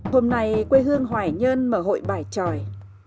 hôm nay quê hương hoài nhơn mở hội bài tròi